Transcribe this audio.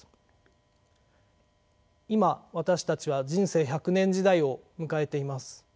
今私たちは人生１００年時代を迎えています。